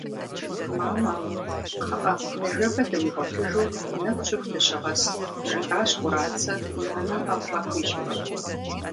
«Мамэ, кхъыӏэ, ныжэбэ дымыгъуэлъыжу, нэху щыху дыщыгъэс» жиӏащ Кӏурацэ и анэм ӏэплӏэ хуищӏурэ.